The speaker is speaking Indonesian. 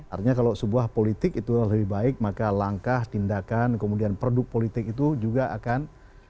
artinya kalau sebuah politik itu lebih baik maka langkah tindakan kemudian produk politik itu juga akan